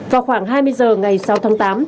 vào khoảng hai mươi giờ ngày sáu tháng tám